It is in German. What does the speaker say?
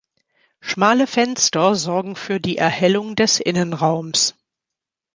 Schmale Fenster sorgen für die Erhellung des Innenraums.